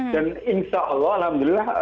dan insya allah alhamdulillah